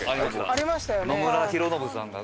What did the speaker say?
ありました。